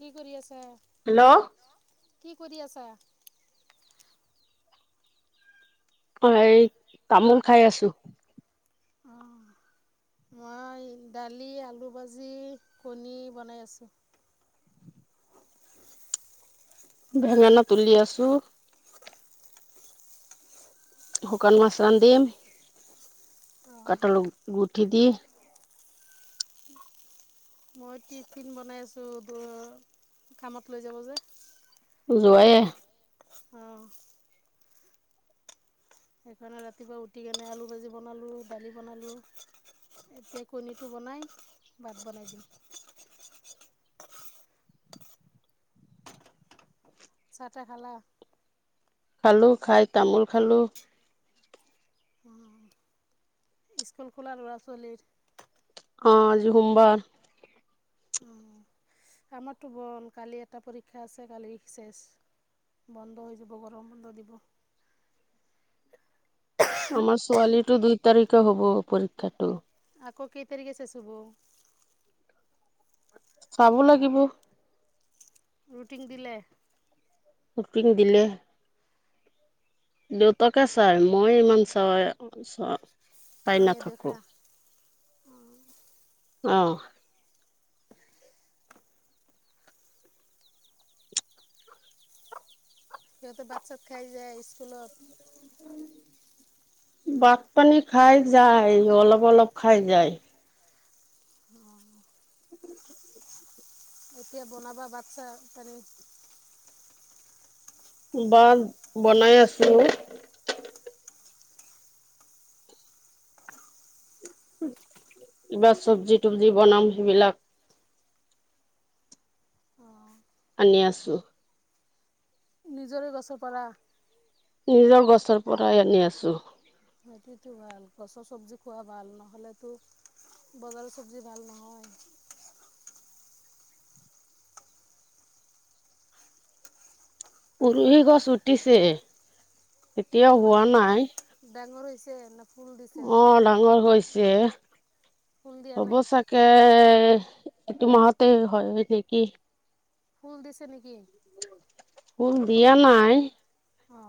কি কৰি আছে? হেল্ল' কি কৰি আছা? অ' হেই তামোল খাই আছো। অঁ মই দালি আলু ভাজি কণী বনাই আছো। [unintelligible] বেঙেনা তুলি আছো। শুকান মাছ ৰান্ধিম কঠাল গুটি দিম। মই টিফিন বনাই আছোঁ কামত লৈ যাব যে। যোৱাইয়ে? অ'। মানে ৰাতিপুৱা উঠিকিনে আলু ভাজি বনালোঁ দালি বনালোঁ এতিয়া কণীটো বনাই ভাত বনাই দিম। চাহ টাহ খালা? খালো খাই তামোল খালো। অ স্কুল খোলা ল'ৰা ছোৱলীৰ? অঁ আজি সোমবাৰ। উ আমাৰটো গ'ল কালি এটা পৰীক্ষা আছে কালি শেষ। বন্ধ হৈ যাব গৰম বন্ধ দিব। আমাৰ ছোৱালীৰটো দুই তাৰিখে হব পৰীক্ষাটো। আকৌ কেই তাৰিখে শেষ হ'ব? চাব লাগিব। ৰুটিন দিলে? ৰুটিন দিলে। দেউতাকে চাই মই ইমান চা চ ইেই দেখা অ [unintelligible] অঁ। সিহঁতে ভাত চাত খাই যায় স্কুলত? ভাত পানী খাই যায় অলপ অলপ খাই যায়। অ [unintelligible] [inaudible] এতিয়া বনাব বাচ্ছা পানি বান বনাই আছো। কিবা চব্জি তব্জি বনাম সেইবিলাক। অঁ আনি আছো। নিজৰে গছ পৰা? নিজৰ গছৰ পৰাই আনি আছো। সেইটোৱেতো ভাল গছৰ চব্জি খোৱা ভাল নহ'লেতো বজাৰ চবজি ভাল নহয়। উৰহি গছ উঠিছে, এতিয়া হোৱা নাই। ছে ন? অ ডাঙৰ হৈছে, ফুল দিয়া হব নাই চাগে! এটো মাহতে হয় নেকি! ফুল দিছে নেকি? ফুল দিয়া নাই। অ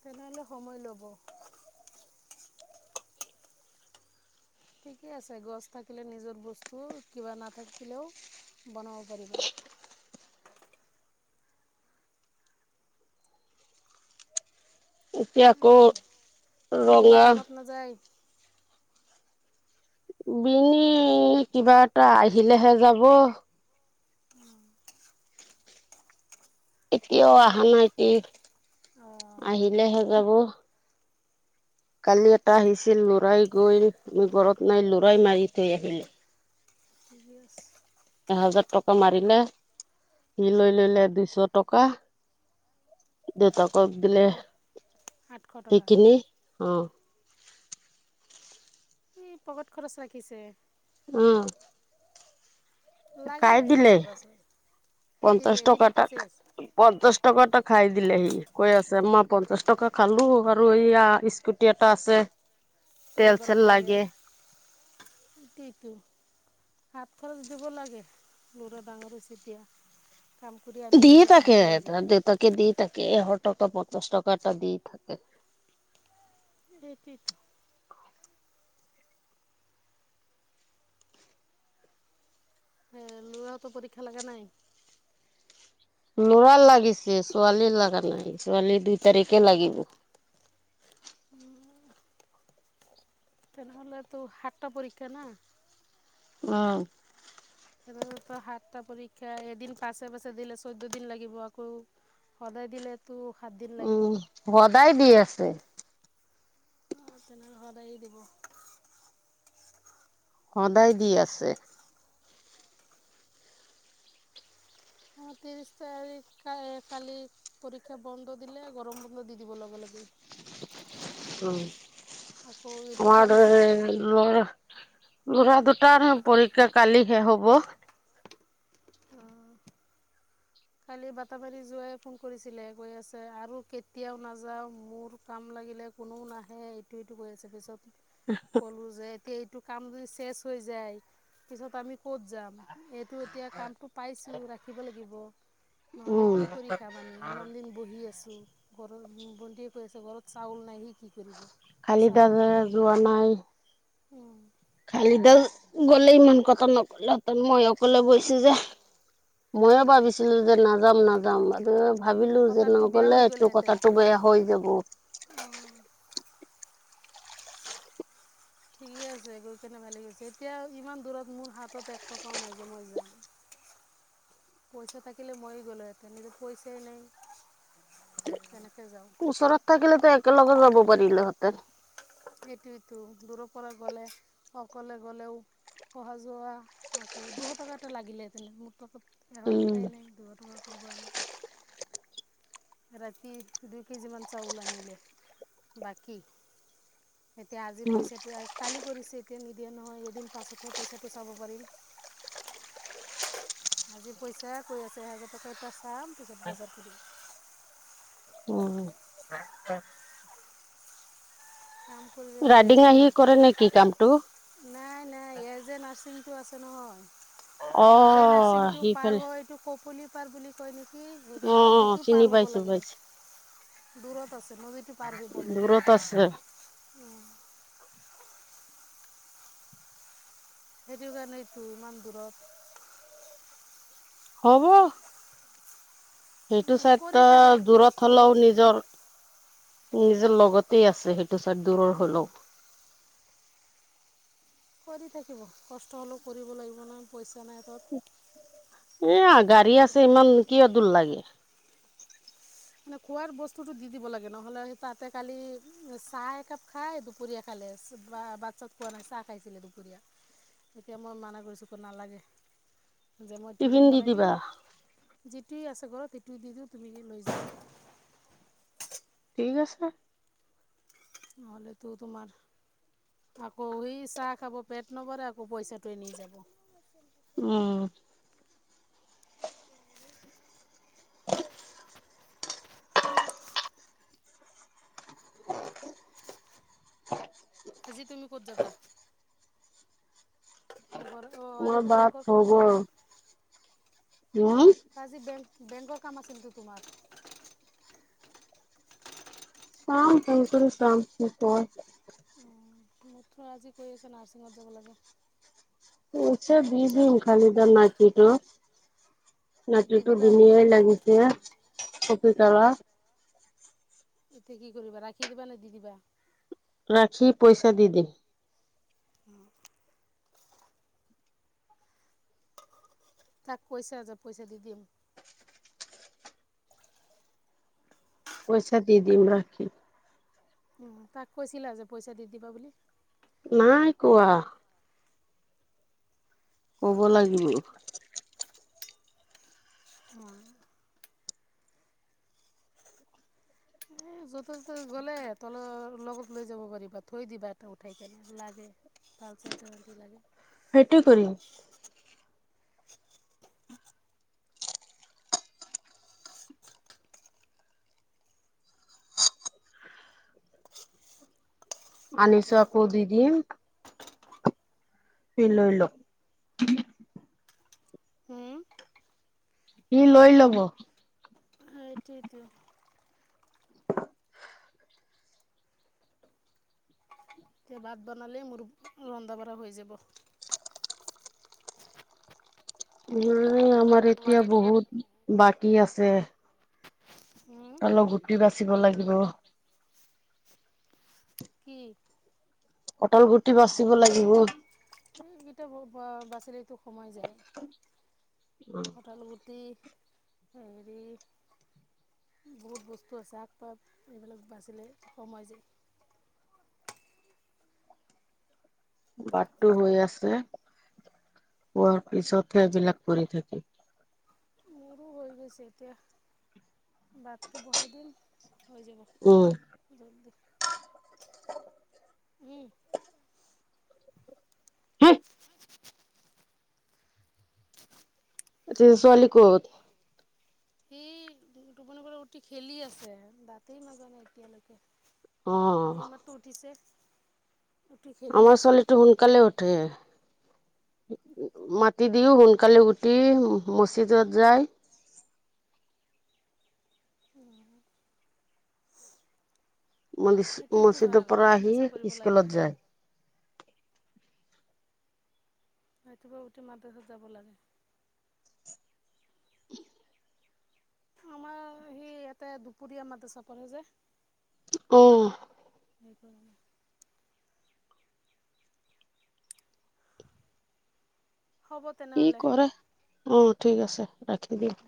তেনেহলে সময় লব। ঠিকে আছে গছ থাকিলে নিজৰ বস্তু কিবা নাথাকিলেও বনাব পাৰিবা। এতিয়া আকৌ এই বিনি ৰঙা কামত নাযায় বিনি‌ কিবা এটা আহিলেহে যাব। এতিয়াও অহা নাই অঁ আহিলেহে যাব। কালি এটা আহিছিল লৰাই গৈ আমি ঘৰত নাই লৰাই মাৰি থৈ আহিলে। [unintelligible] হাজাৰ টকা মাৰিলে, সি লৈ ললে দুইশ টকা। দেউতাকক দিলে অঁ আঠশ টকা কিনি উম। এই পকেত খৰচ ৰাখিছে। উহ। লাগেইতো ল'ৰা ছোৱালী। পঞ্চাশ টকা এদিনতে তাক চেছ পঞ্চাশ টকা টা খাই দিলে সি কৈ আছে মা পঞ্চাশ টকা খালো আৰু এইয়া স্কুটি এটা আছে তেল চেল লাগে। ইটো - ইটো। হাত খৰচ দিব লাগে ল'ৰা ডাঙৰ হৈ এতিয়া। কাম কৰি আনি দিয়ে দিলেতো থাকে দিব লাগে তাহাৰ দেউতাকে দি থাকে হ টকা পঞ্চাছ টকা এটা দি থাকে। এইটোৱেটো। হে ল'ৰাওতো পৰীক্ষা লাগা নাই? ল'ৰাৰ লাগিছে ছোৱালীৰ লাগা নাই ছোৱালী দুই তাৰিখে লাগিব। [inaudible] তেনেহলেটো সাতটা পৰীক্ষা না? [unintelligible] তেনেহলেটো সাতটা পৰীক্ষা এদিন পাছে- পাছে দিলে চৈধ্য দিন লাগিব আকৌ সদায় দিলে উম, সদায় দি আছে। অ, তেনেহলে সদায়েই দিব। সদায় দি আছে। অ, ত্ৰিছ তাৰিখ কায়ে কালি পৰীক্ষা বন্ধ দিলে গৰম বন্ধ দি দিব লগে-লগে। দি [unintelligible] উম, আমাৰ কাম দৰে সেই ল'ৰা ল'ৰা দুটাৰ পৰীক্ষা কালি শেষ হ'ব। কালি বাটাবাৰী যোৱায়ে ফোন কৰিছিলে কৈ আছে আৰু কেতিয়াও নাযাও মোৰ কাম না লাগিলে কোনো নাহে এইটো এইটো কৈ আছে পিছত ক'লো যে এতিয়া এইটো কাম যদি শেচ হৈ যায় পিছত আমি ক'ত যাম এইটো এতিয়া কামটো পাইছো ৰাখিব লাগিব নহ'লে উম কি কৰি খাম আমি ইমান দিন বহি আছো ঘৰৰ [unintelligible] আছে ঘৰত চাউল নাই সি কি কৰিব কালি তাৰমানে যোৱা নাই উম কালি দাল গ'লে ইমান কথা নকলেহঁতেন মই অকলে গৈছোঁ যে ময়ো ভাবিছিলো যে নাযাম নাযাম বাল ভাবিলোঁ যে কথাটো বেয়া নগ'লে হৈ এইটো গ'লেহেঁতেন কথাটো বেয়া হৈ যাব ঠিকে আছে গৈ কেনে ভালে কৰিছে এতিয়া ইমান দূৰত মোৰ হাতত এক টকাও নাই যে মই যাম পইচা থাকিলে মই গলোঁ ইয়াতে নিজৰ পইচাই নাই কেনেকৈ যাওঁ ওচৰত থাকিলেতো একেলগে যাব পাৰিলেহেঁতেন এইটো ইটো দূৰৰ পৰা গ'লে অকলে গ'লেও অহা যোৱা আকৌ দুশ টকা এটা লাগিলেহেঁতেনে ট এশ উম টকাই নাই দুশ টকা কৰিব আনি ৰাতি দুই কেজি মান চাউল আনিলে বাকী এতিয়া আজি উম পইচাটো কালি কৰিছে এতিয়া নিদিয়ে নহয় এদিন পাছতহে পইচাটো চাব পাৰিম [inaudible] আজি পইচা কৈ আছে এহেজাৰ টকা এটা চাম পিছত বজাৰ কৰিম। উম। কাম কৰিবলে তো ৰাইডিং আহি নাই কৰে নেকি কামটো নাই এজ এ নাৰছিং এইটো আছে অ নহয় এজেন নাৰ্ছিং টো পাৰ সিফালে হৈ এইটো ককলি পাৰ্ক বুলি কয় কি গৈ অ পালে অ নদীটো চিনি পাৰ হ'ব পাইছো লাগে পাইছো দূৰত আছে নদীটো পাৰ কৰিব লাগে দূৰত আছে [unintelligible] সেইটো কাৰণেইটো ইমান দূৰত হ'ব। সেইটো ছাইড কৰি ত থাকক কষ্ট দূৰত হ'লেও কি কৰিব নিজৰ নিজৰ লগতে আছে সেইটো চাইড দূৰৰ হ'লেও কৰি থাকিব কষ্ট হ'লেও কৰিব লাগিব নহয় পইচা নাই হাতত। এইয়া গাড়ী আছে ইমান কিয় দূৰ লাগে মানে খোৱাৰ বস্তুটো দি দিব লাগে নহ'লে তাতে কালি চাহ একাপ খাই দুপৰীয়া খালে। বা ভাত চাত খোৱা নাই চাহ খাইছিলে দুপৰীয়া এতিয়া মই মানা কৰিছোঁ একো নালাগে যে মই টিফিন টিভিন দি বনাই দিওঁ দিবা যিটোৱে আছে ঘৰত সেইটোৱে দি দিওঁ তুমি [unintelligible] লৈ যাবা। ঠিক আছে। নহলেতো তোমাৰ আকৌ হেই চাহ খাব পেট নবৰে আকৌ পইচাটো এনেই যাব। উম, [unintelligible] [unintelligible] আজি তুমি ক'ত যাবা? অ মই আজি তো বেংকৰ কাম আছিল না নহয়। আজি বেংক বেংকৰ কাম আছিল নেকি তোমাৰ? চাম কংকুল চাম কি কয়। আজি কৈ আছে নাৰ্ছিঙত যাব লাগে। উচ দি দিম খালি এতিয়া মাটিতো। দি নাতিটো দিবা ধুনীয়াই লাগিছে, কফি কালাৰ। এতিয়া কি কৰিবা ৰাখি দিবা নে দি দিবা! ৰাখি পইচা দি দিম। অ তাক কৈছা যে পইচা দি দিম। পইচা দি দিম ৰাখি। উ তাক কৈছিলা যে পইচা দি দিবা বুলি। নাই কোৱ। কব লাগিব। উম। এ য'তে ত'তে গ'লে তল লগত লৈ যাব পাৰিবা থৈ দিবা এটা উঠাই কেনে লাগে। [unintelligible] লাগে সেটো কৰিম। আনিছ আকৌ দি দিম। সি লৈ লওক। হুম সি লৈ ল'ব। এইটোৱেটো। এতিয়া ভাত বনালে মোৰ ৰন্ধা বঢ়া হৈ যাব। নাই আমাৰ এতিয়া বহুত বাকী আছে। উম অলপ গুটি বাচিব লাগিব। কি? অটল গুঠি বাচিব লাগিব। এইকেইটা বাচিৰেতো সোমাই যায় কঠাৰ গু টি হেৰি বহুত বস্তু আছে আগ পাত এইবিলাক বাচিলে কমাই যে বাটটো হৈ আছে, হোৱাৰ পিছতহে এইবিলাক কৰি থাকি। মোৰো হৈ গৈছে এতিয়া বাদটো বহাই দিম হৈ যাব উম [unintelligible] উম হ এতিয়া ছোৱালী ক'ত সি টোপনি পৰা উতি খেলি আছে দাতেই নাজানাই এতিয়ালৈকে অ এইমাত্ৰ উঠিছে উঠি খেলি আমাৰ আছে ছোৱালীটো সোনকালে উঠে [inaudible] মাতি দিও সোনকালে উঠি মচিদত যায় [inaudible] নীয় ম-মজিদৰ পৰা আহি পঢ়িব লাগে স্কুলত যায়। হয়টো বাৰু গটেই মাদহত যাব লাগে। আমাৰ সেই ইয়াতে দুপৰীয়া মাদ্ৰাছা পঢ়ে যে অ'। [unintelligible] হ'ব কি তেনেহ'লে কৰে অ ঠিক আছে ৰাখি দিয়ম